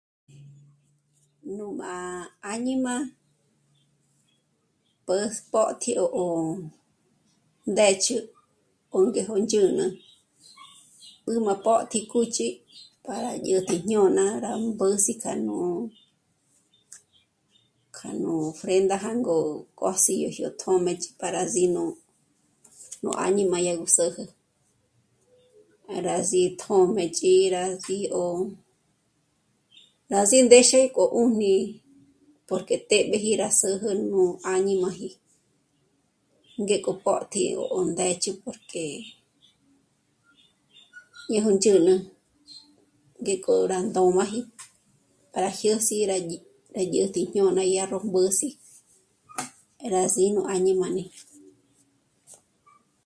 Nú bá áñima pjü̂spjótji ó ndë́ch'ü 'òngéjo ndzhǘnü gú m'a pòtji kúch'i para dyä̀'täji jñôna rá mbǘs'i k'a nú... k'a nú ofrenda jângo k'o sí ró jä̀t'ä tjö́mëchi para sí nú... nú áñima dyà gú sö̌jü para sí tjö́mëchi para sí yó 'ó, nrá sí ndéxe 'ó 'újni porque té'b'eji rá sö̌jü nú áñimaji ngéko porti ó ndë́ch'ü porque dyé jundzhǘnü ngéko rá ndóraji para jyë̀s'i rá 'ä̀dyätji jñôna m'a dyá ró mbǘs'i e... rá sí nú áñima né'e